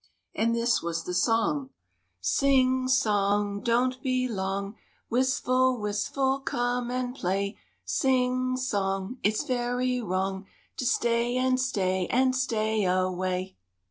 And this was the song :—" Sing song ! Don't be long ! Wistful, Wistful, come and play ! Sing song ! It 's very wrong To stay and stay and stay away